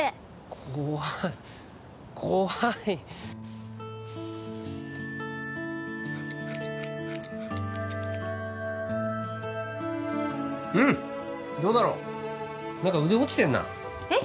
怖い怖いうんどうだろ何か腕落ちてんなえっ？